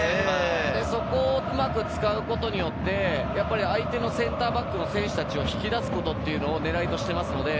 そこをうまく使うことによって相手のセンターバックの選手を引き出すことを狙いとしています。